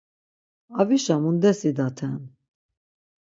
Avişa mundes idaten?